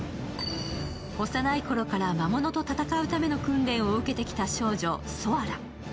押さないころから魔物と戦うための訓練を受けてきた少女・ソアラ。